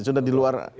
sudah di luar